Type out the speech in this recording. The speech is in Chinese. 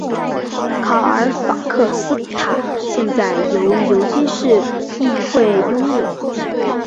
卡尔法克斯塔现在由牛津市议会拥有。